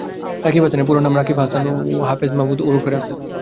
রাকিব হাসানের পুরো নাম রাকিব হাসান ওরফে হাফেজ মাহমুদ ওরফে রাসেল।